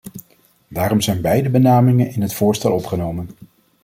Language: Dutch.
Daarom zijn beide benamingen in het voorstel opgenomen.